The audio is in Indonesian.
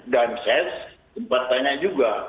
dan saya sempat tanya juga